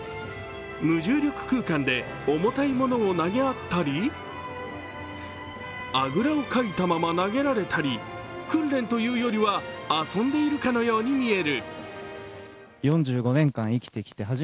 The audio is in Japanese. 無重力空間で重たい物を投げ合ったり、あぐらをかいたまま投げられたり訓練というよりは遊んでいるかのように見える。